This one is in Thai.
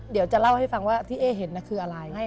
เดี๋ยวจะเล่าให้ฟังว่าที่เอ๊เห็นคืออะไร